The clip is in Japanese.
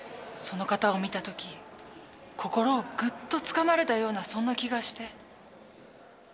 その方を見た時心をグッとつかまれたようなそんな気がして。